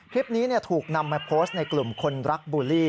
คลิปนี้ถูกนำมาโพสต์ในกลุ่มคนรักบูลลี่